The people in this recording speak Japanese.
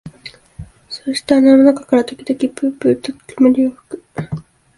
そうしてその穴の中から時々ぷうぷうと煙を吹く